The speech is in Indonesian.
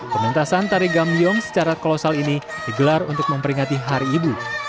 pementasan tari gambiong secara kolosal ini digelar untuk memperingati hari ibu